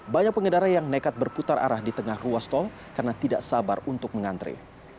banyak pengendara yang nekat berputar arah di tengah ruas tol karena tidak sabar untuk mengantre